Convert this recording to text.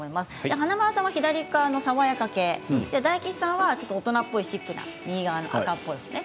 華丸さんは爽やか系大吉さんは大人っぽいシックな赤っぽいものですね。